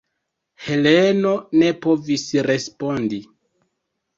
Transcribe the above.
Heleno ne povis respondi.